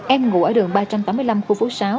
em ngủ ở đường ba trăm tám mươi năm khu phố sáu